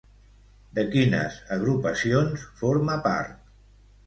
De quines agrupacions forma part?